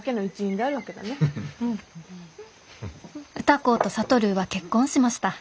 「歌子と智は結婚しました。